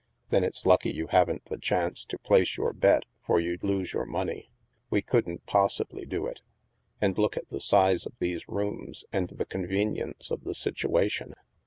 " Then it's lucky you haven't the chance to place your bet, for you'd lose your money. We couldn't possibly do it. And look at the size of these rooms, and the convenience of the situation!